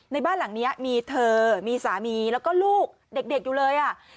ในบ้านหลังนี้มีเธอมีสามีแล้วก็ลูกเด็กอยู่เลยอ่ะ